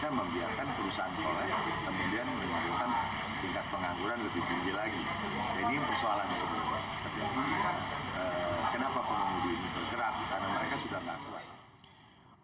karena mereka sudah tidak bergerak